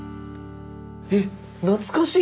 えっ懐かしい！